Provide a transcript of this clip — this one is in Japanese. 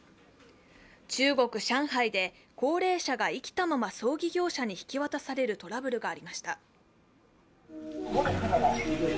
中国・上海で高齢者が生きたまま葬儀業者に引き渡されるトラブルがありました。